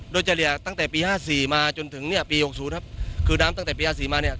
โดยเฉลี่ยตั้งแต่ปีห้าสี่มาจนถึงเนี่ยปีหกศูนย์ครับคือน้ำตั้งแต่ปีห้าสี่มาเนี่ย